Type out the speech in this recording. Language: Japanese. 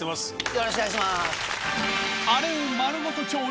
よろしくお願いします。